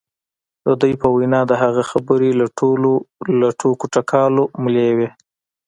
د دوی په وینا د هغه خبرې له ټوکو ټکالو ملې وې